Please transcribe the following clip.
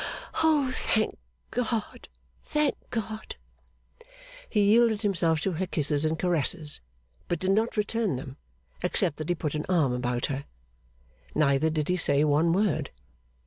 O thank God, thank God!' He yielded himself to her kisses and caresses, but did not return them, except that he put an arm about her. Neither did he say one word.